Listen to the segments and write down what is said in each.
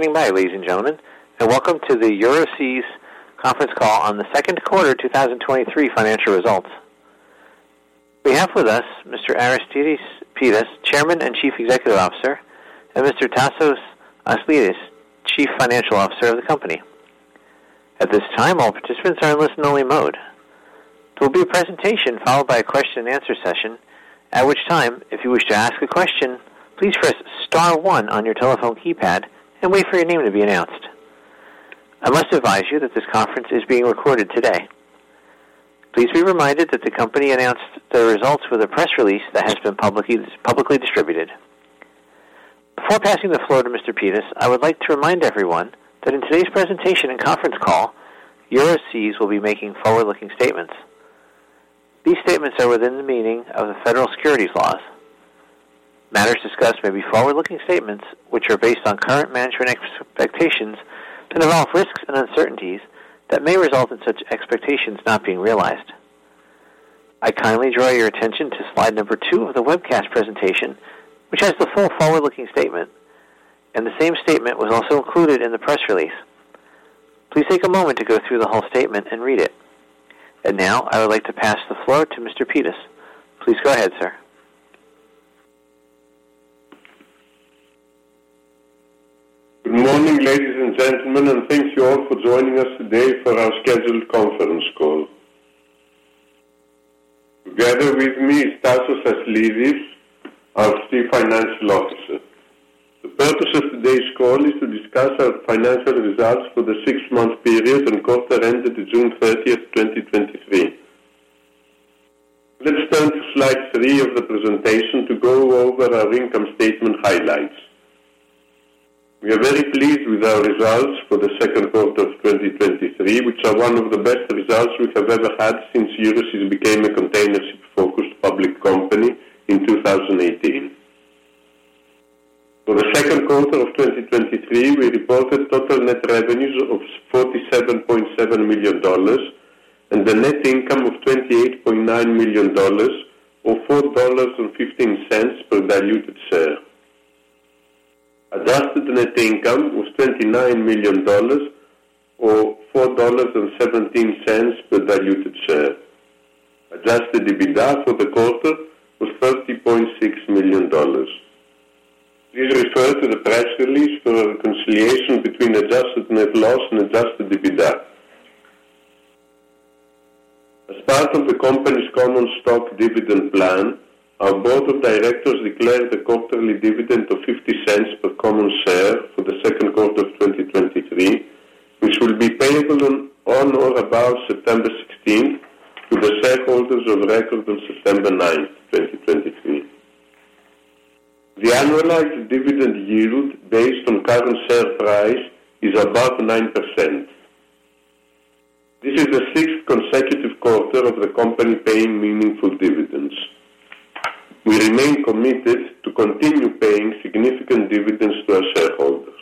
Thank you for standing by, ladies and gentlemen, and welcome to the Euroseas conference call on the second quarter 2023 financial results. We have with us Mr. Aristides Pittas, Chairman and Chief Executive Officer, and Mr. Tasos Aslidis, Chief Financial Officer of the company. At this time, all participants are in listen-only mode. There will be a presentation followed by a question and answer session, at which time, if you wish to ask a question, please press star one on your telephone keypad and wait for your name to be announced. I must advise you that this conference is being recorded today. Please be reminded that the company announced the results with a press release that has been publicly, publicly distributed. Before passing the floor to Mr. Pittas, I would like to remind everyone that in today's presentation and conference call, Euroseas will be making forward-looking statements. These statements are within the meaning of the federal securities laws. Matters discussed may be forward-looking statements which are based on current management expectations to develop risks and uncertainties that may result in such expectations not being realized. I kindly draw your attention to slide number two of the webcast presentation, which has the full forward-looking statement, and the same statement was also included in the press release. Please take a moment to go through the whole statement and read it. Now, I would like to pass the floor to Mr. Pittas. Please go ahead, sir. Good morning, ladies and gentlemen, thank you all for joining us today for our scheduled conference call. Together with me is Tasos Aslidis, our Chief Financial Officer. The purpose of today's call is to discuss our financial results for the six-month period and quarter ended June 30, 2023. Let's turn to Slide 3 of the presentation to go over our income statement highlights. We are very pleased with our results for the second quarter of 2023, which are one of the best results we have ever had since Euroseas became a containership-focused public company in 2018. For the second quarter of 2023, we reported total net revenues of $47.7 million and a net income of $28.9 million, or $4.15 per diluted share. Adjusted net income was $29 million, or $4.17 per diluted share. Adjusted EBITDA for the quarter was $30.6 million. Please refer to the press release for a reconciliation between adjusted net loss and adjusted EBITDA. As part of the company's common stock dividend plan, our board of directors declared a quarterly dividend of $0.50 per common share for the second quarter of 2023, which will be payable on or about September 16th to the shareholders of record on September 9th, 2023. The annualized dividend yield based on current share price is about 9%. This is the sixth consecutive quarter of the company paying meaningful dividends. We remain committed to continue paying significant dividends to our shareholders.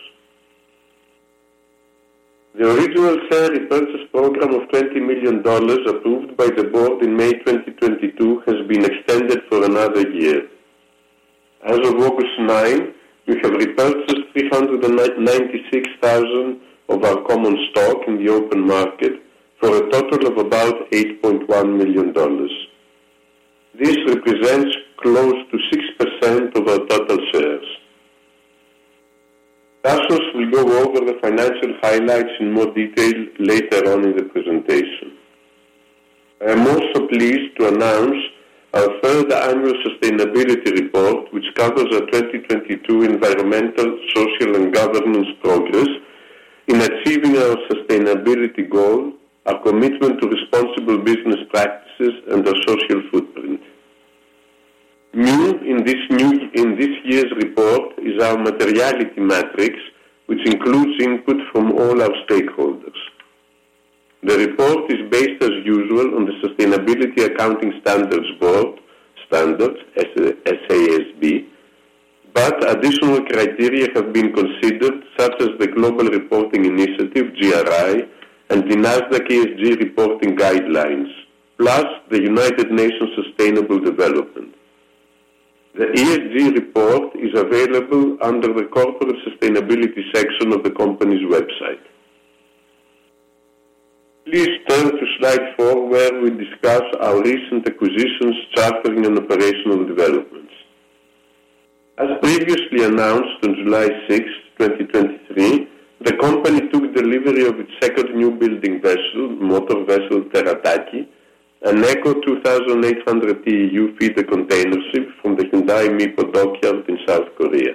The original share repurchase program of $20 million, approved by the board in May 2022, has been extended for another year. As of August 9, we have repurchased 396,000 of our common stock in the open market, for a total of about $8.1 million. This represents close to 6% of our total shares. Tasos will go over the financial highlights in more detail later on in the presentation. I am also pleased to announce our third annual sustainability report, which covers our 2022 environmental, social, and governance progress in achieving our sustainability goal, our commitment to responsible business practices and our social footprint. New in this year's report is our materiality matrix, which includes input from all our stakeholders. The report is based, as usual, on the Sustainability Accounting Standards Board standards, SASB, but additional criteria have been considered, such as the Global Reporting Initiative, GRI, and the Nasdaq ESG reporting guidelines, plus the United Nations Sustainable Development. The ESG report is available under the Corporate Sustainability section of the company's website. Please turn to Slide 4, where we discuss our recent acquisitions, chartering and operational developments. As previously announced on July 6, 2023, the company took delivery of its second newbuilding vessel, motor vessel Terataki, an Eco 2,800 TEU feeder containership from the Hyundai Mipo Dockyard in South Korea.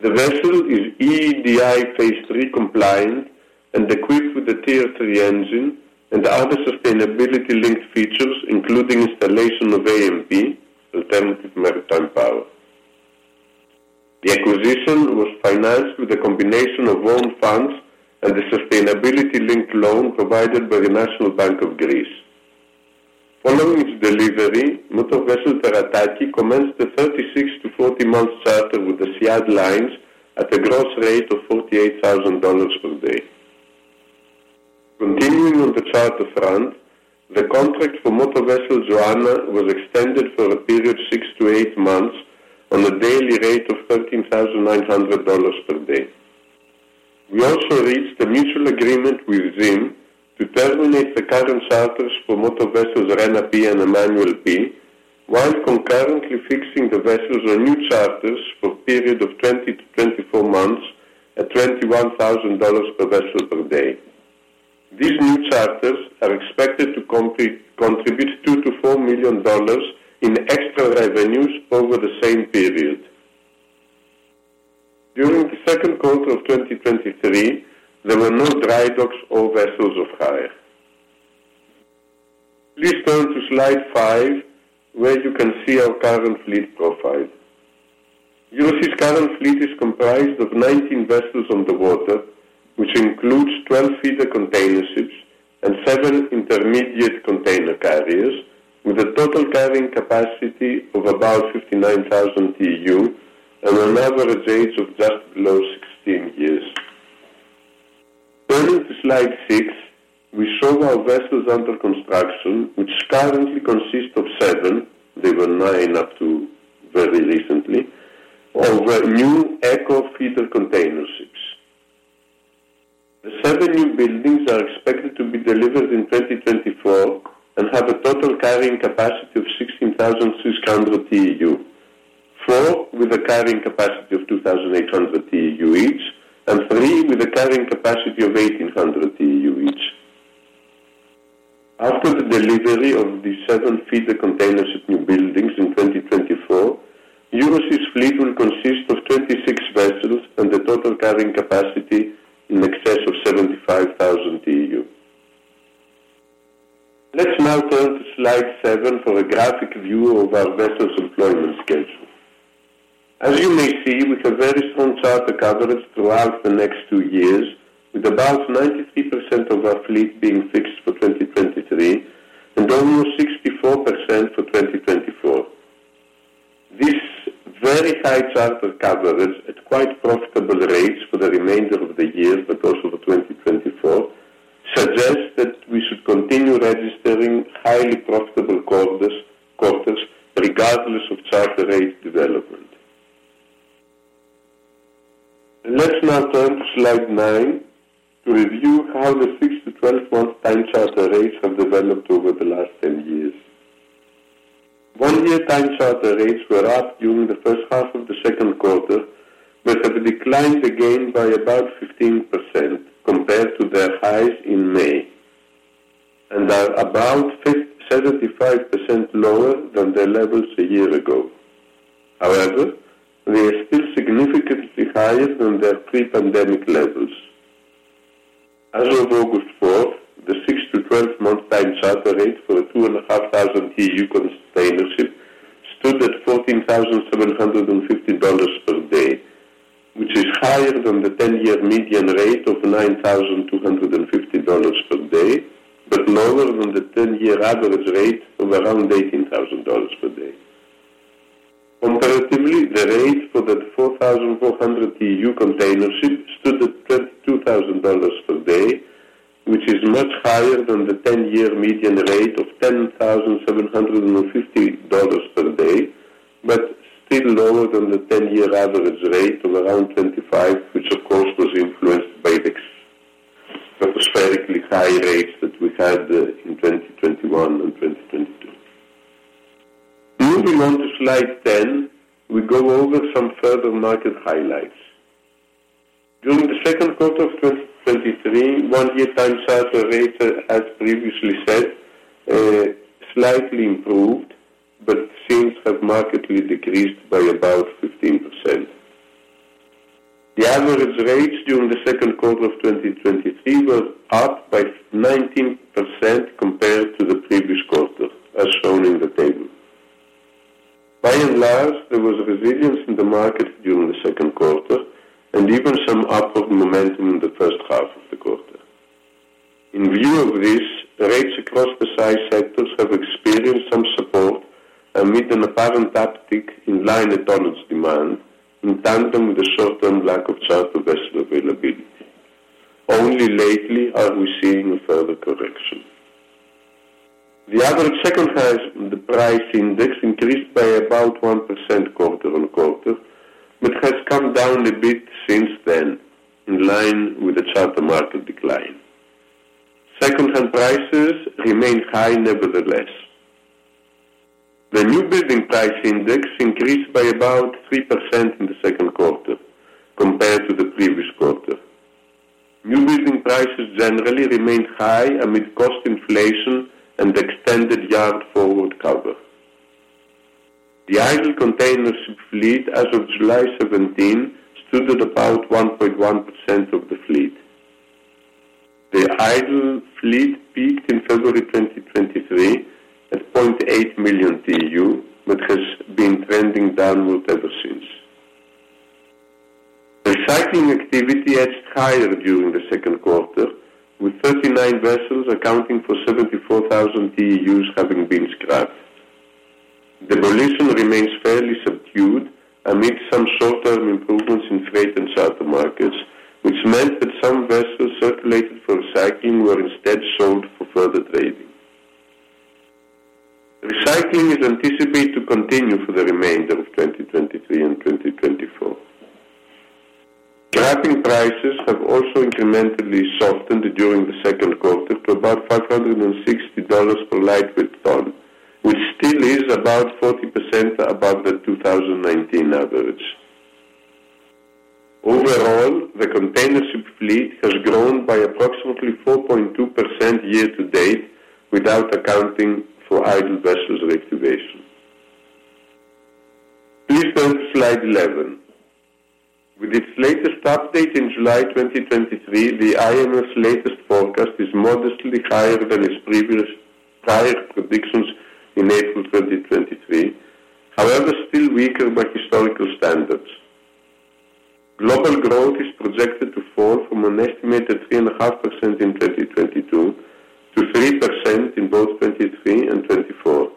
The vessel is EEDI phase 3 compliant and equipped with a Tier 3 engine and other sustainability-linked features, including installation of AMP, alternative maritime power. The acquisition was financed with a combination of own funds and a sustainability-linked loan provided by the National Bank of Greece. Following its delivery, motor vessel Terataki commenced a 36-40 month charter with Asyad Lines at a gross rate of $48,000 per day. Continuing on the charter front, the contract for motor vessel Joanna was extended for a period of 6-8 months on a daily rate of $13,900 per day. We also reached a mutual agreement with ZIM to terminate the current charters for motor vessels Rena P and Emmanuel P, while concurrently fixing the vessels on new charters for a period of 20-24 months at $21,000 per vessel per day. These new charters are expected to contribute $2 million-$4 million in extra revenues over the same period. During the second quarter of 2023, there were no dry docks or vessels of hire. Please turn to slide 5, where you can see our current fleet profile. Euroseas' current fleet is comprised of 19 vessels on the water, which includes 12 feeder containerships and 7 intermediate containerships, with a total carrying capacity of about 59,000 TEU and an average age of just below 16 years. Turning to Slide 6, we show our vessels under construction, which currently consist of 7, they were 9 up to very recently, of our new Eco feeder containerships. The 7 newbuildings are expected to be delivered in 2024 and have a total carrying capacity of 16,600 TEU, 4 with a carrying capacity of 2,800 TEU each and 3 with a carrying capacity of 1,800 TEU each. After the delivery of the 7 feeder container ship new buildings in 2024, Euroseas' fleet will consist of 26 vessels and a total carrying capacity in excess of 75,000 TEU. Let's now turn to Slide 7 for a graphic view of our vessels' employment schedule. As you may see, we have a very strong charter coverage throughout the next two years, with about 93% of our fleet being fixed for 2023 and almost 64% for 2024. This very high charter coverage at quite profitable rates for the remainder of the year, but also for 2024, suggests that we should continue registering highly profitable quarters regardless of charter rate development. Let's now turn to Slide 9 to review how the 6 to 12-month time charter rates have developed over the last 10 years. One-year time charter rates were up during the first half of the second quarter, but have declined again by about 15% compared to their highs in May, and are about 75% lower than their levels a year ago. However, they are still significantly higher than their pre-pandemic levels. As of August 4th, the 6-12-month time charter rate for a 2,500 TEU container ship stood at $14,750 per day, which is higher than the 10-year median rate of $9,250 per day, but lower than the 10-year average rate of around $18,000 per day. Comparatively, the rate for the 4,400 TEU container ship stood at $32,000 per day, which is much higher than the ten-year median rate of $10,750 per day, but still lower than the ten-year average rate of around 25, which of course was influenced by the stratospherically high rates that we had in 2021 and 2022. Moving on to Slide 10, we go over some further market highlights. During the second quarter of 2023, one-year time charter rates, as previously said, slightly improved, but since have markedly decreased by about 15%. The average rates during the second quarter of 2023 were up by 19% compared to the previous quarter, as shown in the table. By and large, there was a resilience in the market during the second quarter and even some upward momentum in the first half of the quarter. In view of this, rates across the size sectors have experienced some support amid an apparent uptick in liner tonnage demand, in tandem with the short-term lack of charter vessel availability. Only lately are we seeing a further correction. The average secondhand price index increased by about 1% quarter on quarter, but has come down a bit since then, in line with the charter market decline. Secondhand prices remain high, nevertheless. The newbuilding price index increased by about 3% in the second quarter compared to the previous quarter. Newbuilding prices generally remained high amid cost inflation and extended yard forward cover. The idle containership fleet as of July 17 stood at about 1.1% of the fleet. The idle fleet peaked in February 2023 at 0.8 million TEU, has been trending downward ever since. Recycling activity edged higher during the second quarter, with 39 vessels accounting for 74,000 TEUs having been scrapped. Demolition remains fairly subdued amid some short-term improvements in trade and charter markets, which meant that some vessels circulated for recycling were instead sold for further trading. Recycling is anticipated to continue for the remainder of 2023 and 2024. Scraping prices have also incrementally softened during the second quarter to about $560 per lightweight ton, which still is about 40% above the 2019 average. Overall, the containership fleet has grown by approximately 4.2% year to date, without accounting for idle vessels reactivation. Please turn to Slide 11. With its latest update in July 2023, the IMF's latest forecast is modestly higher than its previous higher predictions in April 2023. Still weaker by historical standards. Global growth is projected to fall from an estimated 3.5% in 2022 to 3% in both 2023 and 2024,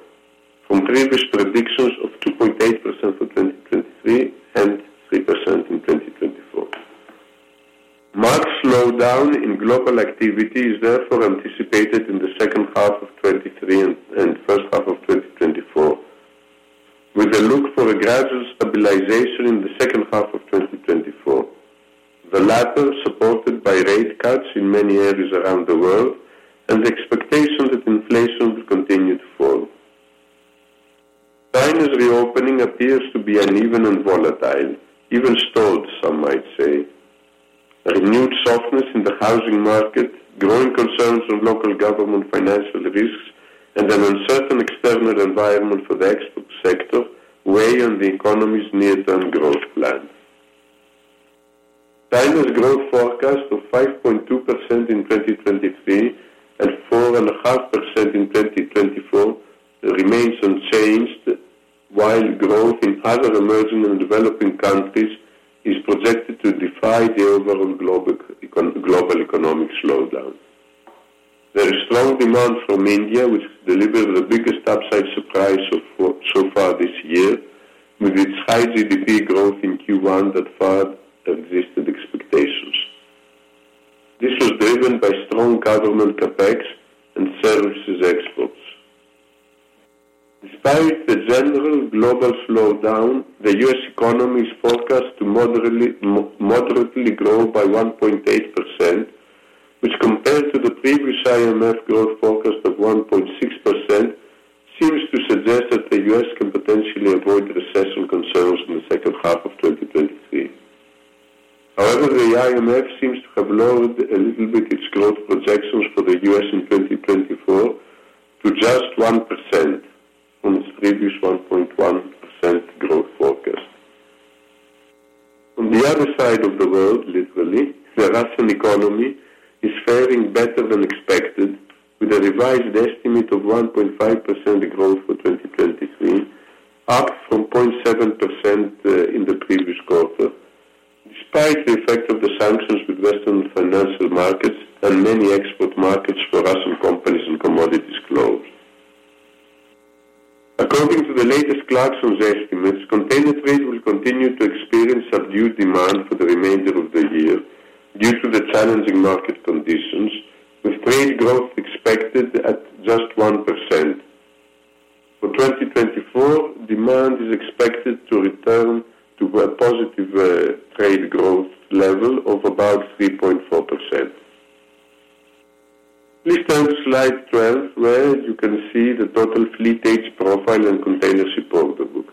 from previous predictions of 2.8% for 2023 and 3% in 2024. Much slowdown in global activity is therefore anticipated in the second half of 2023 and first half of 2024, with a look for a gradual stabilization in the second half of 2024. The latter, supported by rate cuts in many areas around the world and the expectation that inflation will continue to fall. China's reopening appears to be uneven and volatile, even stalled, some might say. Renewed softness in the housing market, growing concerns of local government financial risks, and an uncertain external environment for the export sector weigh on the economy's near-term growth plans. China's growth forecast of 5.2% in 2023 and 4.5% in 2024 remains unchanged, while growth in other emerging and developing countries is projected to defy the overall global economic slowdown. There is strong demand from India, which delivered the biggest upside surprise so far this year, with its high GDP growth in Q1 that far exceeded expectations. This was driven by strong government CapEx and services exports. Despite the general global slowdown, the U.S. economy is forecast to moderately grow by 1.8%, which, compared to the previous IMF growth forecast of 1.6%, seems to suggest that the U.S. can potentially avoid recession concerns in the second half of 2023. However, the IMF seems to have lowered a little bit its growth projections for the U.S. in 2024 to just 1% from its previous 1.1% growth forecast. On the other side of the world, literally, the Russian economy is faring better than expected, with a revised estimate of 1.5% growth for 2023, up from 0.7% in the previous quarter, despite the effect of the sanctions with Western financial markets and many export markets for Russian companies and commodities closed. According to the latest Clarksons estimates, container trade will continue to experience a due demand for the remainder of the year due to the challenging market conditions, with trade growth expected at just 1%. For 2024, demand is expected to return to a positive trade growth level of about 3.4%. Please turn to slide 12, where you can see the total fleet age profile and containership order book.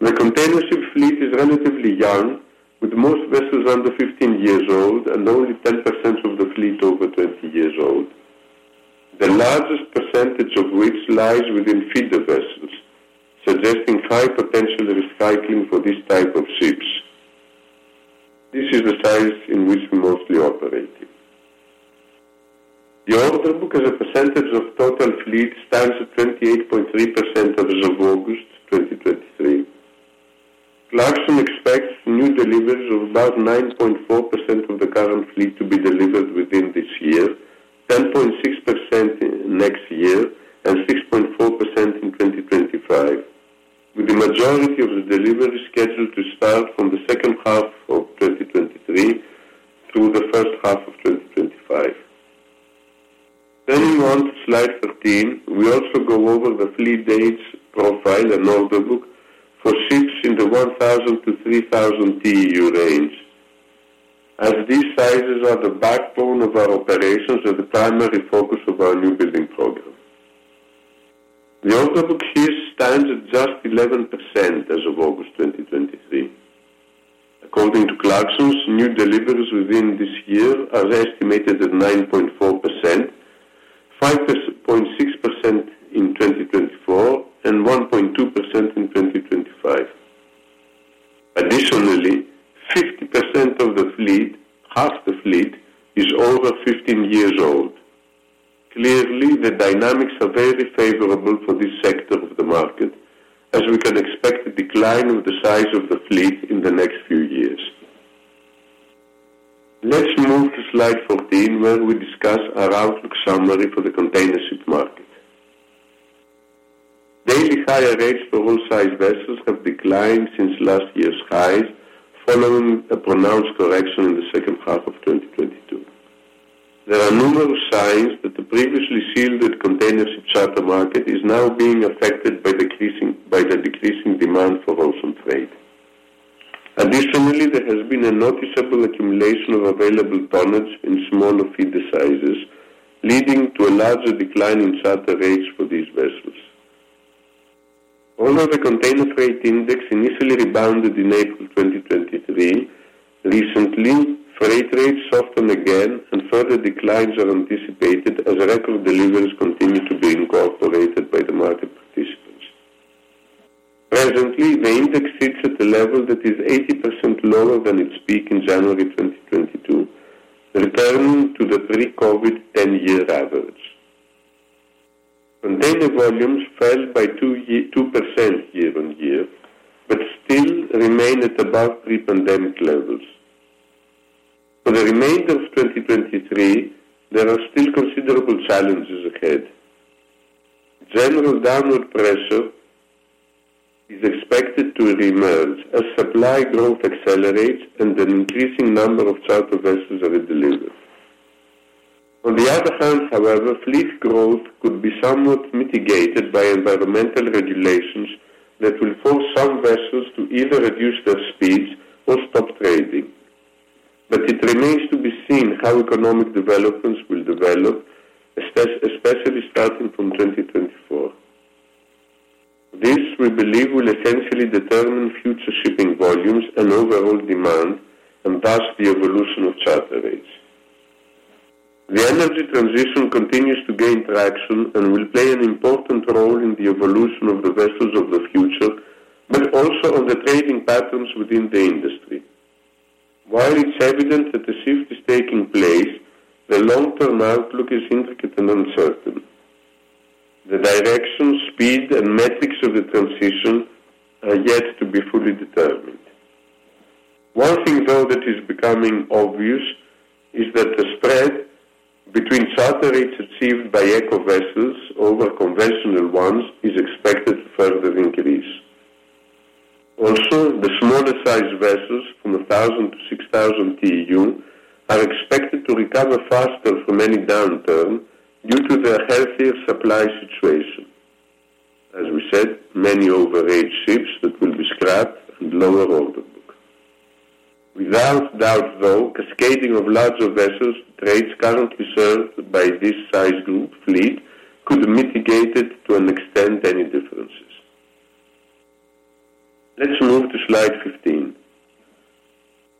The containership fleet is relatively young, with most vessels under 15 years old and only 10% of the fleet over 20 years old. The largest percentage of which lies within feeder vessels, suggesting high potential recycling for this type of ships. This is the size in which we mostly operate in. The order book as a percentage of total fleet stands at 28.3% as of August 2023. Clarksons expects new deliveries of about 9.4% of the current fleet to be delivered within this year, 10.6% next year, and 6.4% in 2025, with the majority of the deliveries scheduled to start from the second half of 2023 through the first half of 2025. We go on to Slide 13. We also go over the fleet dates profile and order book for ships in the 1,000-3,000 TEU range, as these sizes are the backbone of our operations and the primary focus of our newbuilding program. The order book here stands at just 11% as of August 2023. According to Clarksons, new deliveries within this year are estimated at 9.4%, 5.6% in 2024, and 1.2% in 2025. Additionally, 50% of the fleet, half the fleet, is over 15 years old. Clearly, the dynamics are very favorable for this sector of the market, as we can expect a decline of the size of the fleet in the next few years. Let's move to Slide 14, where we discuss our outlook summary for the container ship market. Daily higher rates for all size vessels have declined since last year's highs, following a pronounced correction in the second half of 2022. There are numerous signs that the previously shielded container ship charter market is now being affected by the decreasing demand for ocean trade. Additionally, there has been a noticeable accumulation of available tonnage in smaller feeder sizes, leading to a larger decline in charter rates for these vessels. Although the container freight index initially rebounded in April 2023, recently, freight rates softened again and further declines are anticipated as record deliveries continue to be incorporated by the market participants. Presently, the index sits at a level that is 80% lower than its peak in January 2022, returning to the pre-COVID ten-year average. Container volumes fell by 2% year-on-year, but still remain at above pre-pandemic levels. For the remainder of 2023, there are still considerable challenges ahead. General downward pressure is expected to reemerge as supply growth accelerates and an increasing number of charter vessels are delivered. On the other hand, however, fleet growth could be somewhat mitigated by environmental regulations that will force some vessels to either reduce their speeds or stop trading. It remains to be seen how economic developments will develop, especially starting from 2024. This, we believe, will essentially determine future shipping volumes and overall demand, and thus the evolution of charter rates. The energy transition continues to gain traction and will play an important role in the evolution of the vessels of the future, but also on the trading patterns within the industry. While it's evident that the shift is taking place, the long-term outlook is intricate and uncertain. The direction, speed, and metrics of the transition are yet to be fully determined. One thing, though, that is becoming obvious is that the spread between charter rates achieved by eco vessels over conventional ones is expected to further increase. The smaller sized vessels, from 1,000-6,000 TEU, are expected to recover faster from any downturn due to their healthier supply situation. As we said, many overage ships that will be scrapped and lower order book. Without doubt, though, cascading of larger vessels to trades currently served by this size group fleet could mitigate it to an extent, any differences. Let's move to slide 15.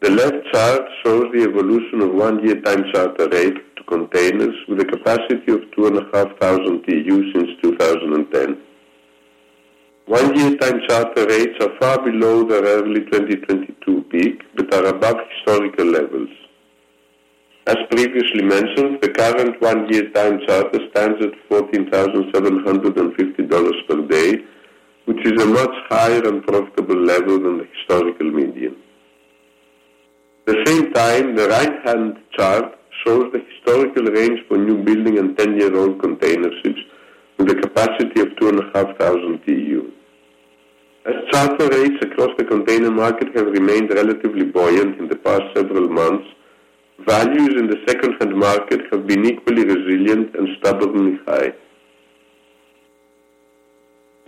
The left chart shows the evolution of one-year time charter rate to containers with a capacity of 2,500 TEU since 2010. One-year time charter rates are far below the early 2022 peak, but are above historical levels. As previously mentioned, the current one-year time charter stands at $14,750 per day, which is a much higher and profitable level than the historical median. The same time, the right-hand chart shows the historical range for newbuilding and 10-year-old container ships with a capacity of 2,500 TEU. As charter rates across the container market have remained relatively buoyant in the past several months, values in the secondhand market have been equally resilient and stubbornly high.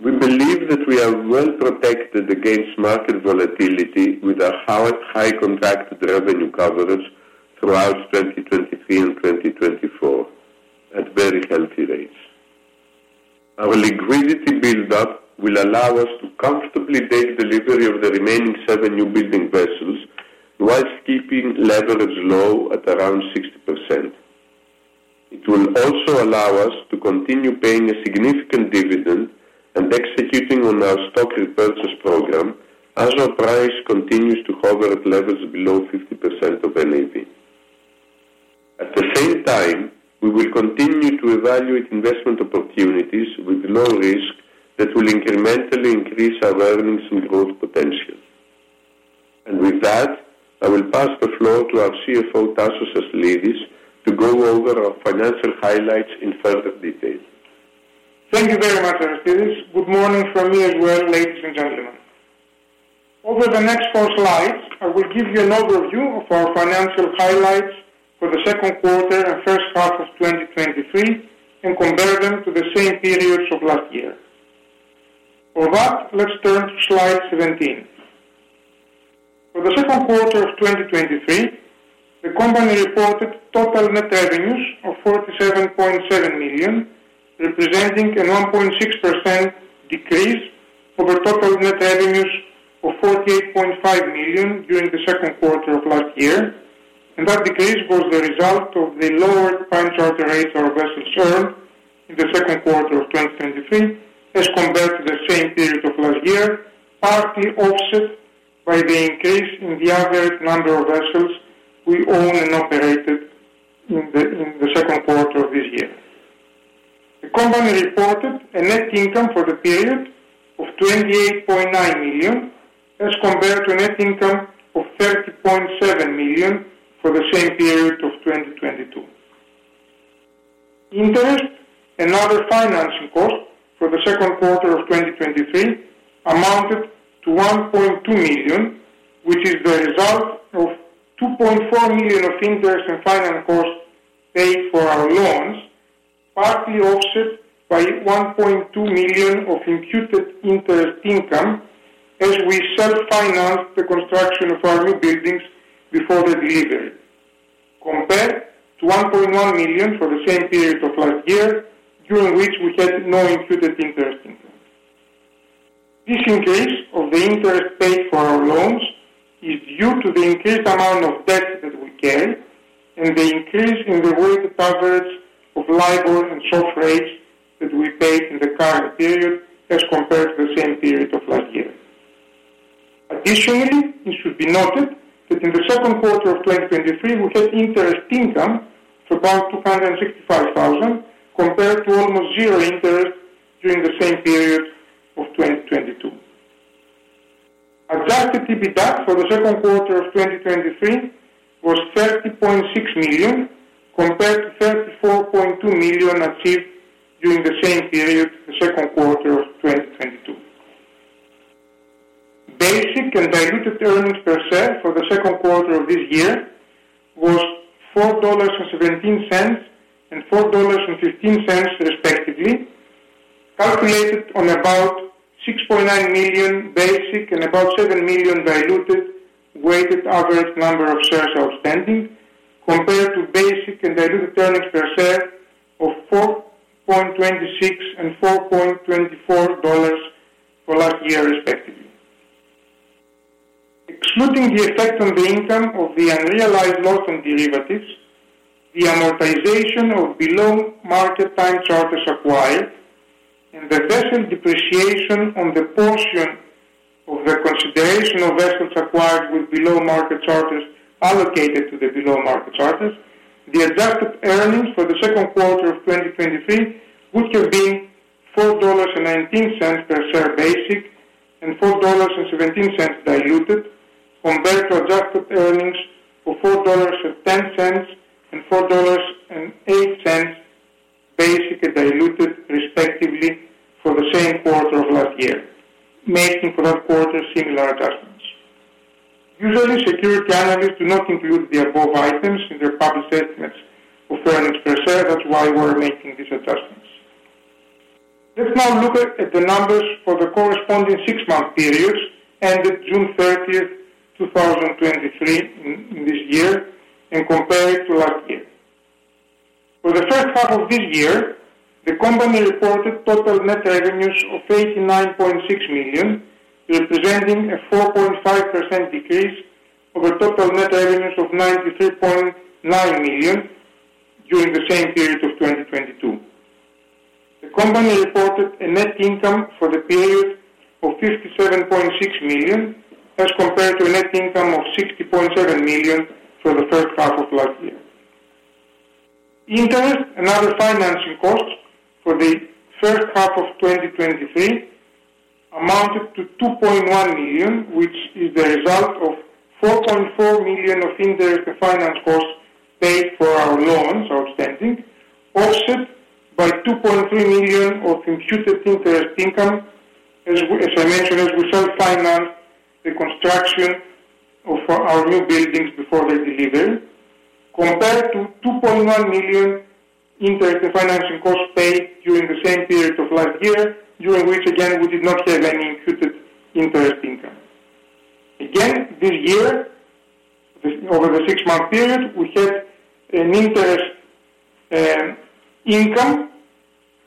We believe that we are well protected against market volatility with our high, high contracted revenue coverage throughout 2023 and 2024, at very healthy rates. Our liquidity build-up will allow us to comfortably date delivery of the remaining seven newbuilding vessels, whilst keeping leverage low at around 60%. It will also allow us to continue paying a significant dividend and executing on our stock repurchase program as our price continues to hover at levels below 50% of NAV. At the same time, we will continue to evaluate investment opportunities with low risk that will incrementally increase our earnings and growth potential. With that, I will pass the floor to our CFO, Tasos Aslidis, to go over our financial highlights in further detail. Thank you very much, Aristides. Good morning from me as well, ladies and gentlemen. Over the next four slides, I will give you an overview of our financial highlights for the second quarter and first half of 2023, compare them to the same periods of last year. For that, let's turn to slide 17. For the second quarter of 2023, the company reported total net revenues of $47.7 million, representing a 1.6% decrease over total net revenues of $48.5 million during the second quarter of last year. That decrease was the result of the lower time charter rates our vessels earned in the second quarter of 2023, as compared to the same period of last year, partly offset by the increase in the average number of vessels we owned and operated in the second quarter of this year. The company reported a net income for the period of $28.9 million, as compared to a net income of $30.7 million for the same period of 2022. Interest and other financing costs for the second quarter of 2023 amounted to $1.2 million, which is the result of $2.4 million of interest and finance costs paid for our loans, partly offset by $1.2 million of imputed interest income, as we self-finance the construction of our new buildings before the delivery, compared to $1.1 million for the same period of last year, during which we had no imputed interest income. The increase of the interest paid for our loans is due to the increased amount of debt that we carry and the increase in the weighted average of LIBOR and SOFR rates that we paid in the current period as compared to the same period of last year. Additionally, it should be noted that in the second quarter of 2023, we had interest income to about $265,000, compared to almost zero interest during the same period of 2022. Adjusted EBITDA for the second quarter of 2023 was $30.6 million, compared to $34.2 million achieved during the same period, the second quarter of 2022. Basic and diluted earnings per share for the second quarter of this year was $4.17, and $4.15, respectively, calculated on about 6.9 million basic and about 7 million diluted weighted average number of shares outstanding, compared to basic and diluted earnings per share of $4.26 and $4.24 for last year, respectively. Excluding the effect on the income of the unrealized loss on derivatives, the amortization of below market time charters acquired, and the vessel depreciation on the portion of the consideration of vessels acquired with below market charters allocated to the below market charters, the adjusted earnings for the second quarter of 2023 would have been $4.19 per share basic, and $4.17 diluted, compared to adjusted earnings of $4.10, and $4.08, basic and diluted, respectively, for the same quarter of last year, making for that quarter similar adjustments. Usually, security analysts do not include the above items in their public statements of earnings per share. That's why we're making these adjustments. Let's now look at the numbers for the corresponding six-month periods ended June 30, 2023 in this year and compare it to last year. For the first half of this year, the company reported total net revenues of $89.6 million, representing a 4.5% decrease over total net revenues of $93.9 million during the same period of 2022. The company reported a net income for the period of $57.6 million, as compared to a net income of $60.7 million for the first half of last year. Interest and other financing costs for the first half of 2023 amounted to $2.1 million, which is the result of $4.4 million of interest and finance costs paid for our loans outstanding, offset by $2.3 million of imputed interest income, as I mentioned, as we self-finance the construction of our, our newbuildings before they deliver, compared to $2.1 million interest and financing costs paid during the same period of last year, during which, again, we did not have any imputed interest income. Again, this year, over the six-month period, we had an interest income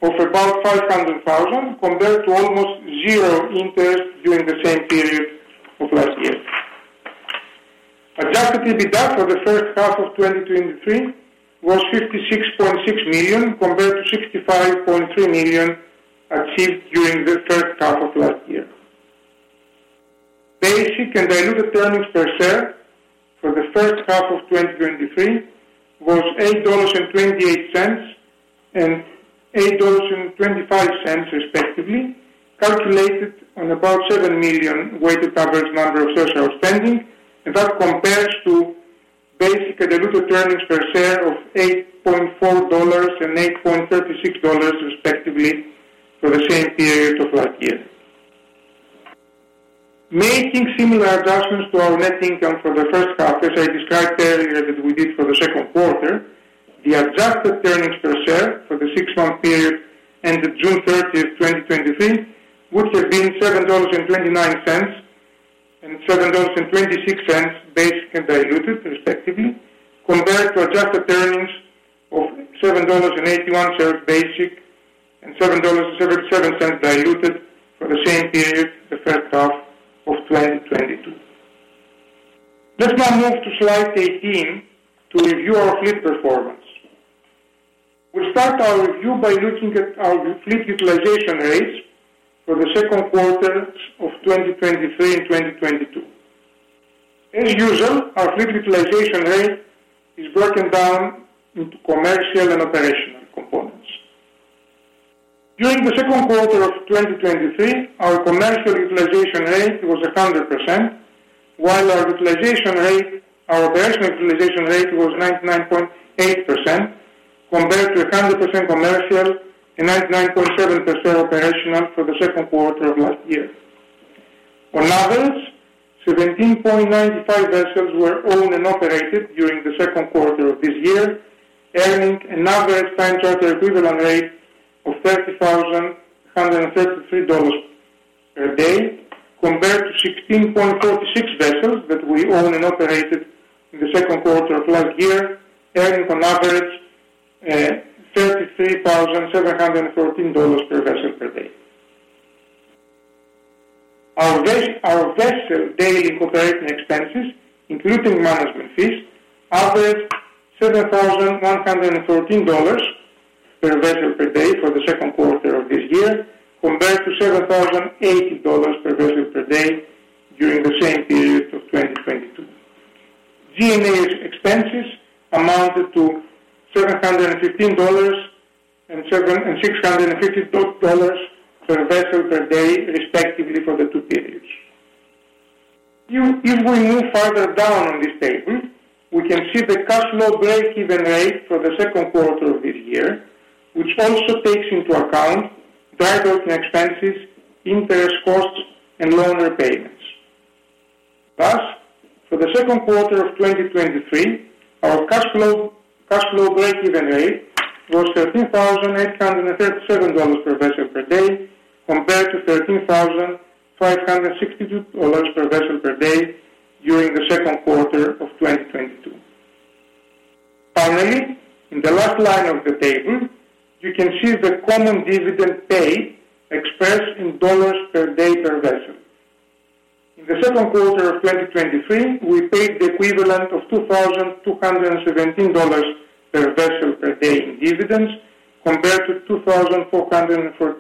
of about $500,000, compared to almost zero interest during the same period of last year. Adjusted EBITDA for the first half of 2023 was $56.6 million, compared to $65.3 million achieved during the first half of last year. Basic and diluted earnings per share for the first half of 2023 was $8.28, and $8.25, respectively, calculated on about 7 million weighted average number of shares outstanding. That compares to basic and diluted earnings per share of $8.40 and $8.36, respectively, for the same period of last year. Making similar adjustments to our net income for the first half, as I described earlier, that we did for the second quarter, the adjusted earnings per share for the 6-month period ended June 30, 2023, would have been $7.29, and $7.26, basic and diluted, respectively, compared to adjusted earnings of $7.81 basic, and $7.77 diluted for the same period, the first half of 2022. Let's now move to slide 18 to review our fleet performance. We'll start our review by looking at our fleet utilization rates for the second quarters of 2023 and 2022. As usual, our fleet utilization rate is broken down into commercial and operational components. During the second quarter of 2023, our commercial utilization rate was 100%, while our utilization rate, our operational utilization rate was 99.8%, compared to 100% commercial and 99.7% operational for the second quarter of last year. On average, 17.95 vessels were owned and operated during the second quarter of this year, earning an average time charter equivalent rate of $30,133 per day, compared to 16.46 vessels that we owned and operated in the second quarter of last year, earning on average, $33,714 per vessel per day. Our vessel daily operating expenses, including management fees, averaged $7,114 per vessel per day for the second quarter of this year, compared to $7,080 per vessel per day during the same period of 2022. D&A expenses amounted to $715 and $615 per vessel per day, respectively, for the two periods. If we move further down on this table, we can see the cash flow breakeven rate for the second quarter of this year, which also takes into account dry docking expenses, interest costs and loan repayments. Thus, for the second quarter of 2023, our cash flow, cash flow breakeven rate was $13,837 per vessel per day, compared to $13,562 per vessel per day during the second quarter of 2022. Finally, in the last line of the table, you can see the common dividend pay expressed in dollars per day per vessel. In the second quarter of 2023, we paid the equivalent of $2,217 per vessel per day in dividends, compared to $2,414 for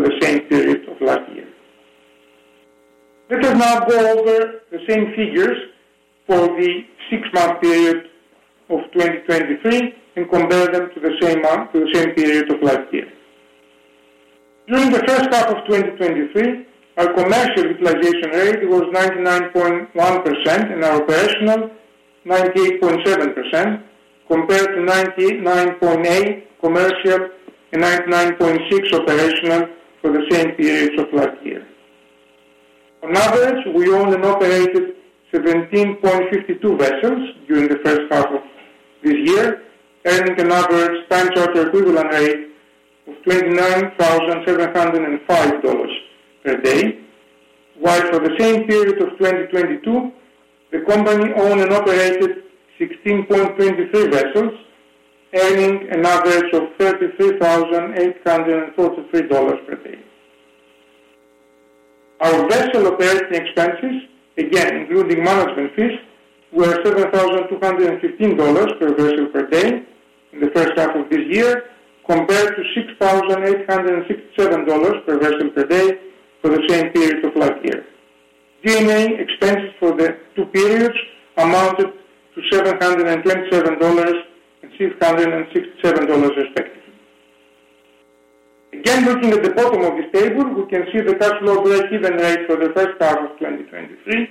the same period of last year. Let us now go over the same figures for the six-month period of 2023 and compare them to the same month, to the same period of last year. During the first half of 2023, our commercial utilization rate was 99.1% and our operational, 98.7%, compared to 99.8 commercial and 99.6 operational for the same periods of last year. On average, we owned and operated 17.52 vessels during the first half of this year, earning an average time charter equivalent rate of $29,705 per day, while for the same period of 2022, the company owned and operated 16.23 vessels, earning an average of $33,843 per day. Our vessel operating expenses, again including management fees, were $7,215 per vessel per day in the first half of this year, compared to $6,867 per vessel per day for the same period of last year. D&A expenses for the two periods amounted to $727 and $667, respectively. Again, looking at the bottom of this table, we can see the cash flow breakeven rate for the first half of 2023,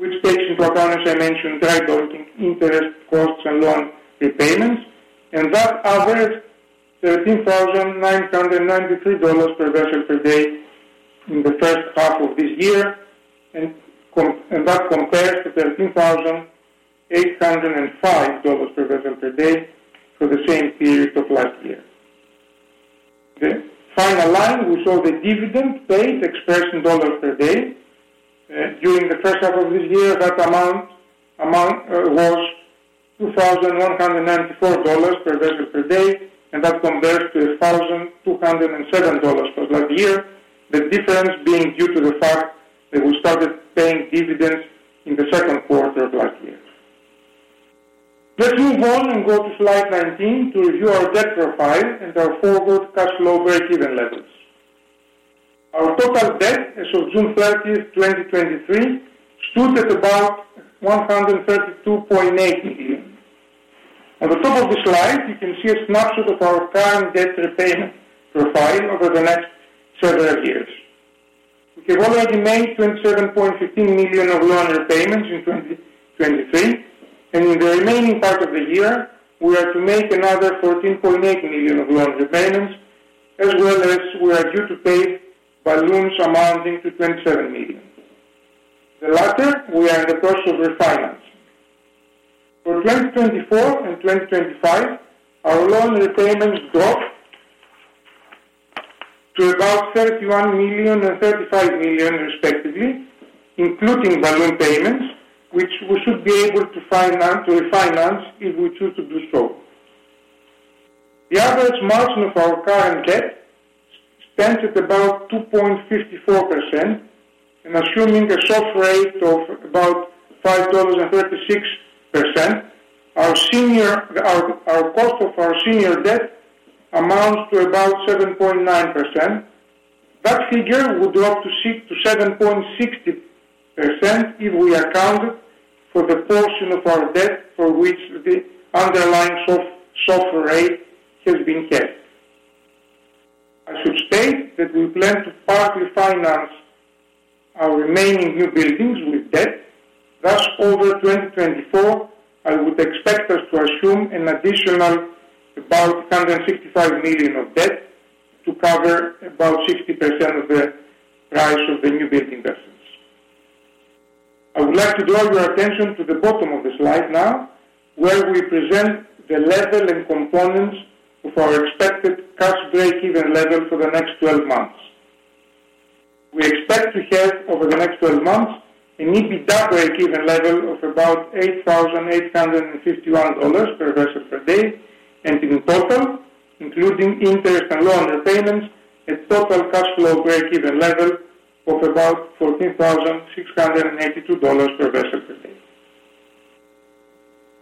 which takes into account, as I mentioned, dry docking, interest costs and loan repayments, that averaged $13,993 per vessel per day in the first half of this year, that compares to $13,805 per vessel per day for the same period of last year. Okay, final line, we saw the dividend paid expressed in dollars per day. During the first half of this year, that amount, amount, was $2,194 per vessel per day, and that compares to $1,207 for last year. The difference being due to the fact that we started paying dividends in the second quarter of last year. Let's move on and go to slide 19 to review our debt profile and our forward cash flow breakeven levels. Our total debt, as of June 30th, 2023, stood at about $132.8 million. At the top of the slide, you can see a snapshot of our current debt repayment profile over the next several years. We have already made $27.15 million of loan repayments in 2023. In the remaining part of the year, we are to make another $14.8 million of loan repayments, as well as we are due to pay balloons amounting to $27 million. The latter, we are in the process of refinance. For 2024 and 2025, our loan repayments drop to about $31 million and $35 million respectively, including balloon payments, which we should be able to refinance if we choose to do so. The average margin of our current debt stands at about 2.54%. Assuming a SOFR rate of about 5.36%... Our senior cost of our senior debt amounts to about 7.9%. That figure would drop to 6%-7.60% if we account for the portion of our debt for which the underlying SOFR rate has been capped. I should state that we plan to partly finance our remaining newbuildings with debt. Over 2024, I would expect us to assume an additional about $165 million of debt to cover about 60% of the price of the newbuilding vessels. I would like to draw your attention to the bottom of the slide now, where we present the level and components of our expected cash breakeven level for the next 12 months. We expect to have, over the next 12 months, an EBITDA breakeven level of about $8,851 per vessel per day, and in total, including interest and loan repayments, a total cash flow breakeven level of about $14,682 per vessel per day.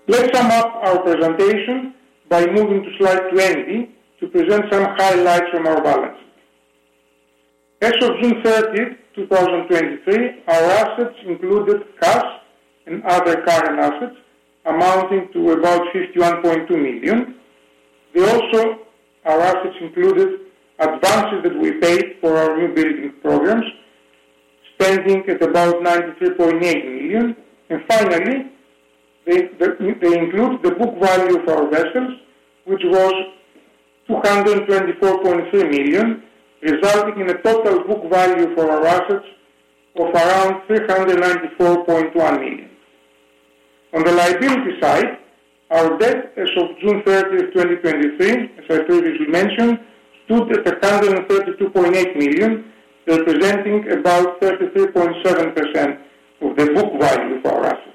Let's sum up our presentation by moving to Slide 20, to present some highlights from our balance sheet. As of June 30, 2023, our assets included cash and other current assets amounting to about $51.2 million. We also, our assets included advances that we paid for our newbuilding programs, spending at about $93.8 million. Finally, they include the book value of our vessels, which was $224.3 million, resulting in a total book value for our assets of around $394.1 million. On the liability side, our debt as of June 30, 2023, as I previously mentioned, stood at $132.8 million, representing about 33.7% of the book value of our assets.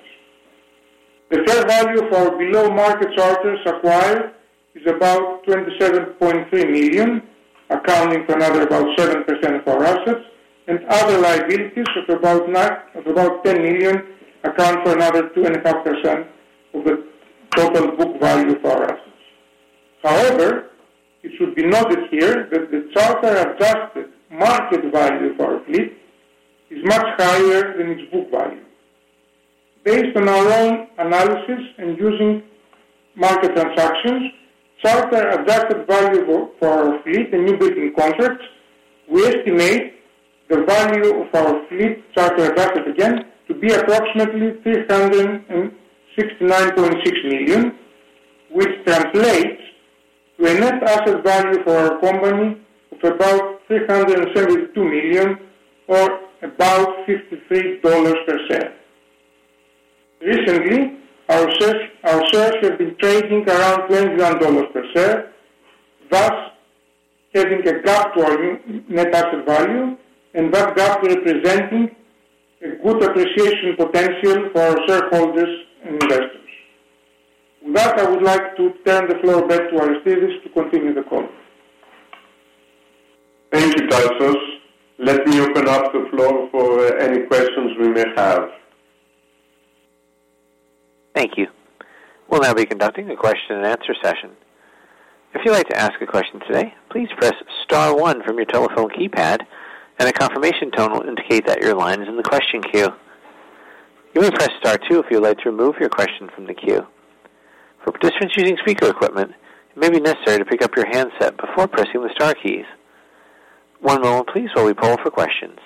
The fair value for below market charters acquired is about $27.3 million, accounting for another about 7% of our assets, and other liabilities of about $10 million account for another 2.5% of the total book value of our assets. However, it should be noted here that the charter adjusted market value of our fleet is much higher than its book value. Based on our own analysis and using market transactions, charter adjusted value for our fleet and new building contracts, we estimate the value of our fleet, charter adjusted again, to be approximately $369.6 million, which translates to a net asset value for our company of about $372 million or about $53 per share. Recently, our shares, our shares have been trading around $21 per share, thus having a gap to our net asset value, and that gap representing a good appreciation potential for our shareholders and investors. With that, I would like to turn the floor back to Aristides to continue the call. Thank you, Tasos. Let me open up the floor for any questions we may have. Thank you. We'll now be conducting a question and answer session. If you'd like to ask a question today, please press star one from your telephone keypad, and a confirmation tone will indicate that your line is in the question queue. You may press star two if you'd like to remove your question from the queue. For participants using speaker equipment, it may be necessary to pick up your handset before pressing the star keys. One moment please, while we poll for questions.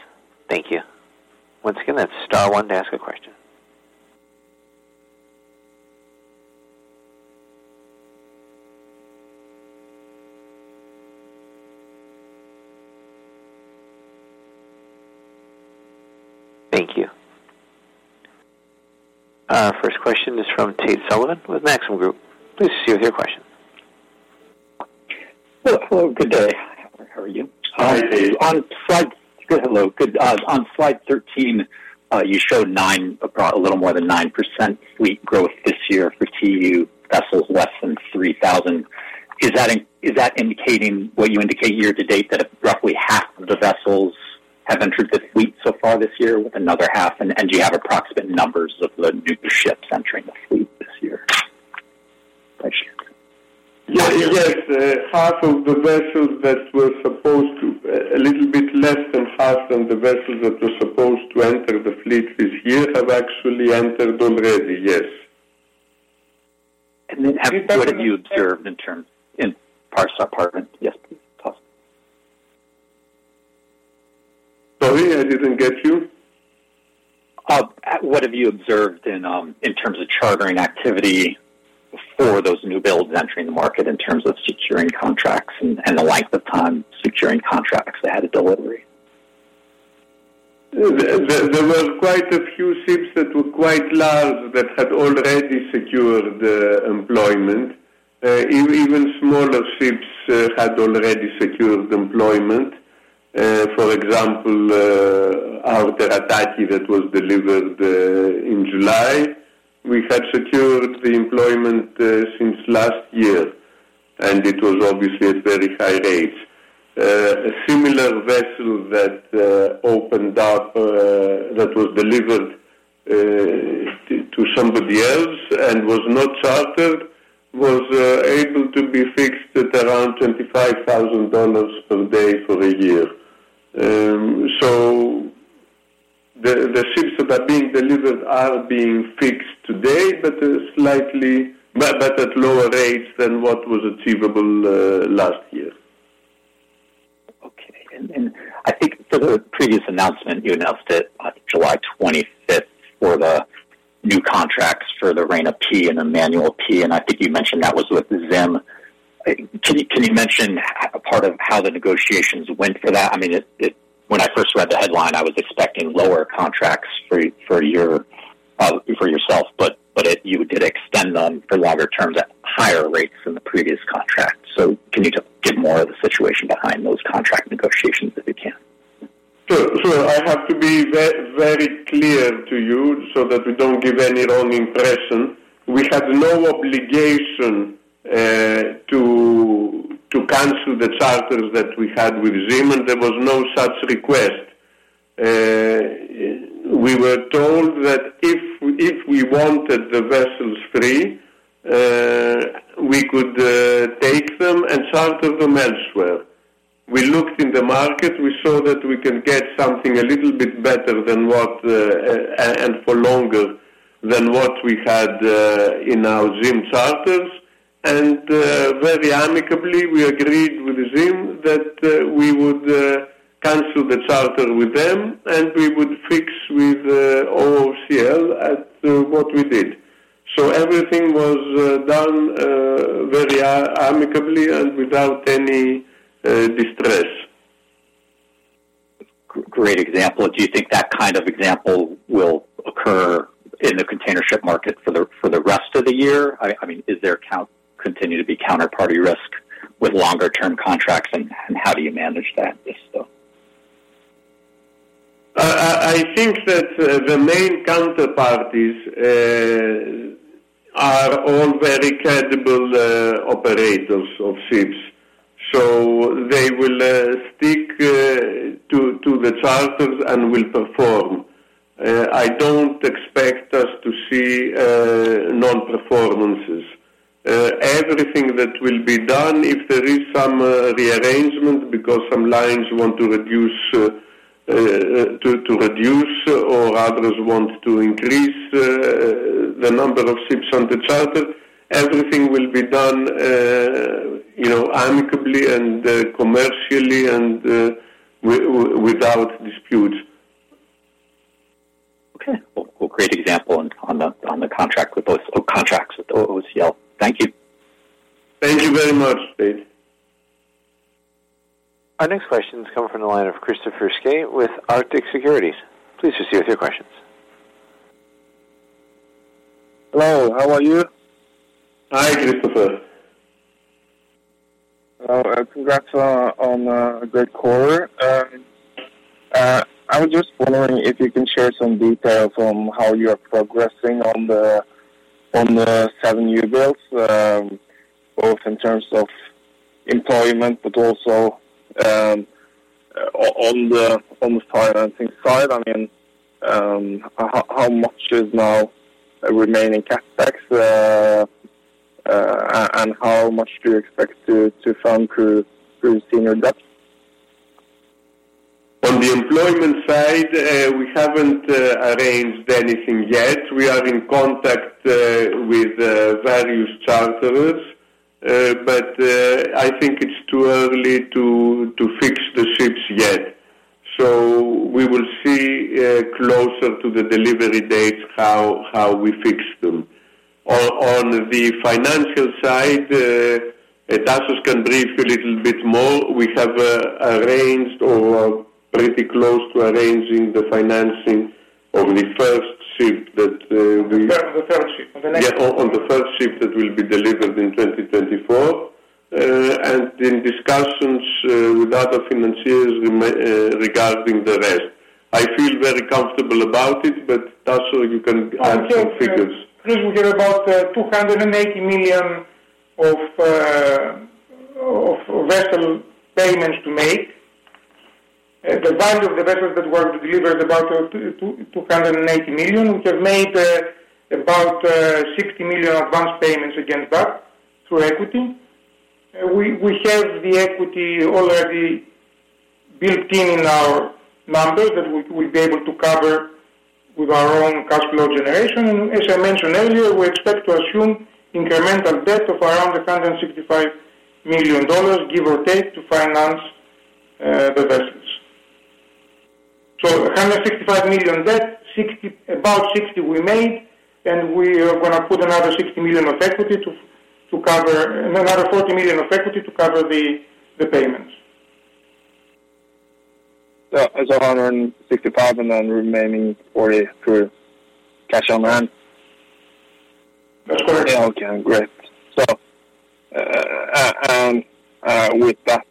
Thank you. Once again, that's star one to ask a question. Thank you. First question is from Tate Sullivan with Maxim Group. Please proceed with your question. Hello, good day. How are you? Hi, Tate. On slide... Good, hello. Good, on Slide 13, you showed 9%, approx, a little more than 9% fleet growth this year for TEU vessels, less than 3,000. Is that indicating what you indicate year to date, that roughly half of the vessels have entered the fleet so far this year with another half? Do you have approximate numbers of the new ships entering the fleet this year? Thank you. Yes, half of the vessels that were supposed to, a little bit less than half of the vessels that were supposed to enter the fleet this year have actually entered already, yes. Then what have you observed in terms, in parts apartment? Yes, please, Tasos. Sorry, I didn't get you. What have you observed in, in terms of chartering activity for those new builds entering the market in terms of securing contracts and, and the length of time securing contracts ahead of delivery? There, there, there were quite a few ships that were quite large that had already secured employment. Even smaller ships had already secured employment. For example, our Terataki that was delivered in July, we had secured the employment since last year. It was obviously at very high rates. A similar vessel that opened up, that was delivered to somebody else and was not chartered, was able to be fixed at around $25,000 per day for a year. The ships that are being delivered are being fixed today, but slightly at lower rates than what was achievable last year. Okay. I think for the previous announcement, you announced it on July 25th, for the new contracts for the Rena P and Emmanuel P, and I think you mentioned that was with ZIM. Can you, can you mention a part of how the negotiations went for that? I mean, it, it when I first read the headline, I was expecting lower contracts for, for your, for yourself, but, but it you did extend them for longer terms at higher rates than the previous contract. Can you just give more of the situation behind those contract negotiations, if you can? Sure. I have to be very clear to you so that we don't give any wrong impression. We had no obligation to cancel the charters that we had with ZIM, and there was no such request. We were told that if, if we wanted the vessels free, we could take them and charter them elsewhere. We looked in the market, we saw that we can get something a little bit better than what and for longer than what we had in our ZIM charters. Very amicably, we agreed with ZIM that we would cancel the charter with them, and we would fix with OOCL at what we did. Everything was done very amicably and without any distress. Great example. Do you think that kind of example will occur in the container ship market for the rest of the year? I mean, is there continue to be counterparty risk with longer term contracts, and how do you manage that if so? I, I think that the main counterparties are all very credible operators of ships. They will stick to the charters and will perform. I don't expect us to see non-performances. Everything that will be done if there is some rearrangement, because some lines want to reduce to reduce, or others want to increase the number of ships under charter, everything will be done, you know, amicably and commercially and without disputes. Okay. Well, well, great example on, on the, on the contract with those or contracts with OOCL. Thank you. Thank you very much, Dave. Our next question is coming from the line of Christopher Skae with Arctic Securities. Please proceed with your questions. Hello, how are you? Hi, Christopher. Congrats on a great quarter. I was just wondering if you can share some details on how you are progressing on the 7 new builds, both in terms of employment, but also on the financing side. I mean, how much is now remaining CapEx and how much do you expect to fund through senior debt? On the employment side, we haven't arranged anything yet. We are in contact with various charterers, but I think it's too early to fix the ships yet. We will see closer to the delivery dates, how we fix them. On the financial side, Tasos can brief you a little bit more. We have arranged or pretty close to arranging the financing of the first ship that. The first, the third ship. Yeah, on the third ship that will be delivered in 2024. In discussions with other financiers regarding the rest. I feel very comfortable about it, but, Tasos, you can add some figures. Chris, we have about $280 million of vessel payments to make. The value of the vessels that were delivered is about $280 million. We have made about $60 million advance payments against that through equity. We, we have the equity already built in our numbers that we, we'll be able to cover with our own cash flow generation. As I mentioned earlier, we expect to assume incremental debt of around $165 million, give or take, to finance the vessels. $165 million debt, about $60 million we made, and we are going to put another $60 million of equity to cover another $40 million of equity to cover the payments. It's $165 and then remaining $40 through cash on hand? Sure. Okay, great.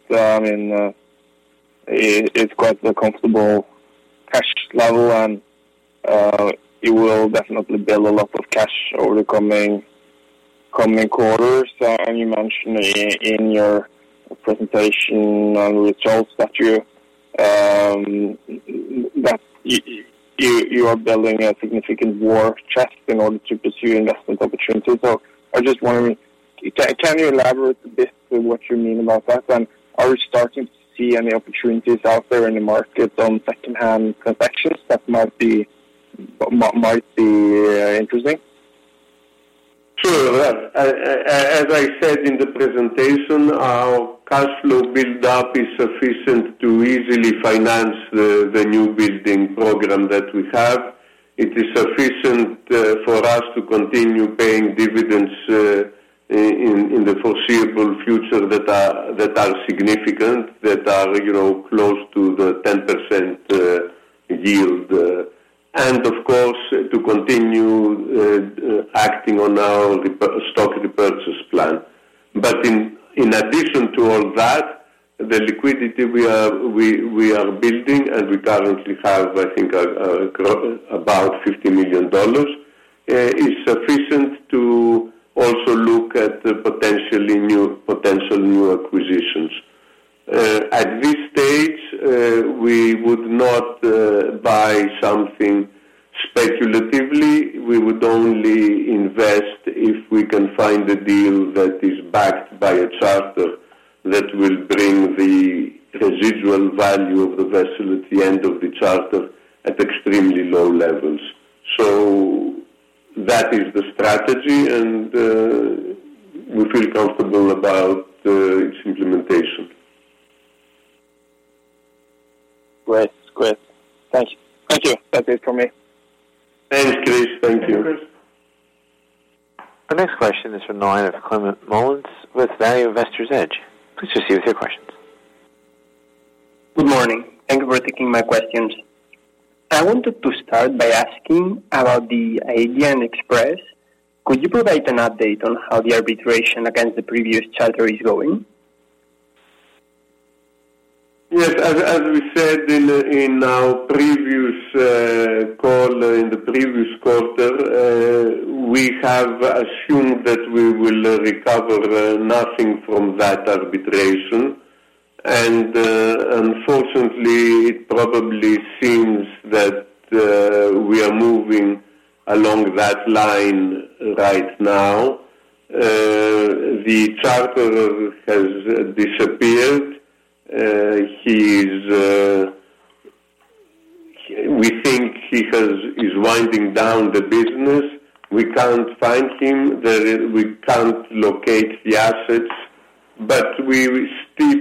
I mean, It is quite a comfortable cash level, and you will definitely build a lot of cash over the coming, coming quarters. You mentioned in your presentation on results that you, you, you are building a significant war chest in order to pursue investment opportunities. I just wondering, can, can you elaborate a bit on what you mean about that? Are we starting to see any opportunities out there in the market on secondhand transactions that might be, might be interesting? Sure. Well, as, as I said in the presentation, our cash flow build up is sufficient to easily finance the new building program that we have. It is sufficient for us to continue paying dividends in the foreseeable future that are, that are significant, that are, you know, close to the 10% yield. Of course, to continue acting on our repur- stock repurchase plan. In addition to all that, the liquidity we are building, and we currently have, I think, about $50 million, is sufficient to also look at the potentially new, potential new acquisitions. At this stage, we would not buy something speculatively. We would only invest if we can find a deal that is backed by a charter that will bring the residual value of the vessel at the end of the charter at extremely low levels. That is the strategy, and we feel comfortable about its implementation. Great. Great. Thank you. Thank you. That's it for me. Thanks, Chris. Thank you. The next question is from Climent Molins with Value Investor's Edge. Please proceed with your questions. Good morning. Thank you for taking my questions. I wanted to start by asking about the Aegean Express. Could you provide an update on how the arbitration against the previous charter is going? Yes. As, as we said in, in our previous call, in the previous quarter, we have assumed that we will recover nothing from that arbitration. Unfortunately, it probably seems that we are moving along that line right now. The charterer has disappeared. We think he has, is winding down the business. We can't find him. There is, we can't locate the assets, but we still,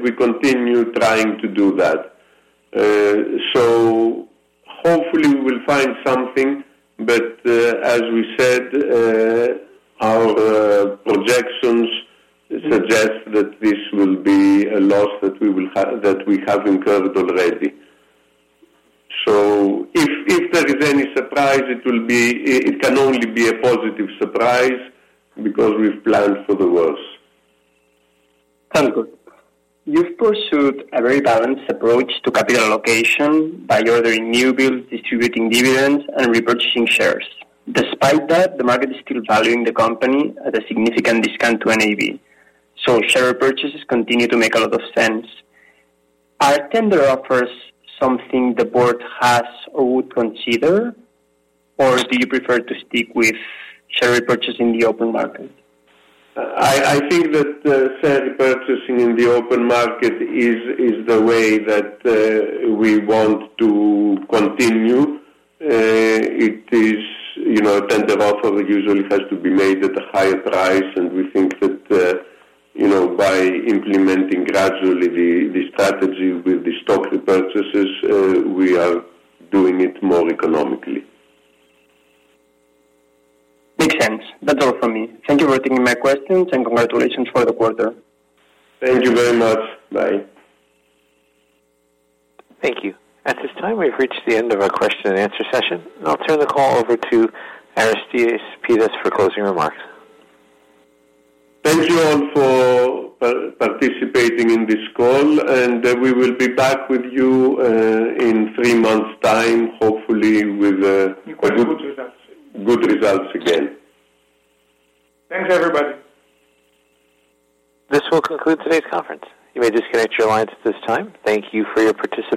we continue trying to do that. Hopefully we will find something, but, as we said, our projections suggest that this will be a loss that we will have, that we have incurred already. If, if there is any surprise, it will be, it can only be a positive surprise, because we've planned for the worst. Thank you. You've pursued a very balanced approach to capital allocation by ordering new builds, distributing dividends, and repurchasing shares. Despite that, the market is still valuing the company at a significant discount to NAV. Share repurchases continue to make a lot of sense. Are tender offers something the board has or would consider, or do you prefer to stick with share repurchasing in the open market? I, I think that share repurchasing in the open market is, is the way that we want to continue. It is, you know, a tender offer usually has to be made at a higher price, and we think that, you know, by implementing gradually the, the strategy with the stock repurchases, we are doing it more economically. Makes sense. That's all for me. Thank you for taking my questions, and congratulations for the quarter. Thank you very much. Bye. Thank you. At this time, we've reached the end of our question and answer session. I'll turn the call over to Aristides Pittas for closing remarks. Thank you all for participating in this call. We will be back with you in three months' time, hopefully with quite good results. Good results again. Thanks, everybody. This will conclude today's conference. You may disconnect your lines at this time. Thank you for your participation.